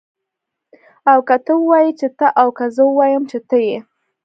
او که ته ووايي چې ته او که زه ووایم چه ته يې